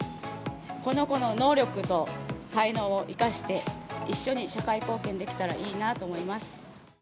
この子の能力と才能を生かして、一緒に社会貢献できたらいいなと思います。